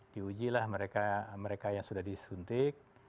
di uji lah mereka yang sudah disuntik